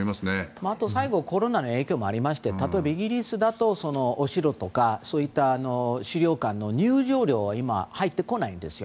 あとはコロナの影響もありまして例えばイギリスだとお城とか資料館の入場料が今、入ってこないんですよ。